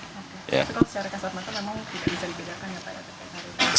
tapi kalau secara kasat mata memang tidak bisa dibedakan ya pak ya